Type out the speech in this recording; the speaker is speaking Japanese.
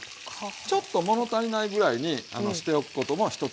ちょっと物足りないぐらいにしておくことも一つのコツですね。